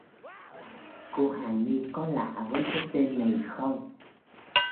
Cô Hà Ni có lạ với cái tên này không